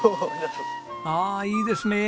ああいいですねえ。